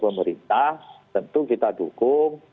pemerintah tentu kita dukung